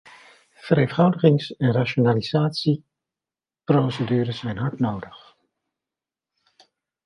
Vereenvoudigings- en rationalisatieprocedures zijn hard nodig.